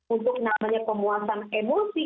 untuk namanya pemuasan emosi